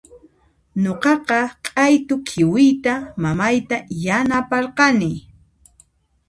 Nuqaqa q'aytu khiwiyta mamayta yanaparqani.